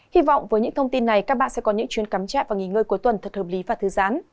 hy vọng với những thông tin này các bạn sẽ có những chuyến cắm trại và nghỉ ngơi cuối tuần thật hợp lý và thư giãn